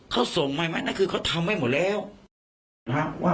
เขาส่งมาไหมคือเขาทำไว้หมดแล้ว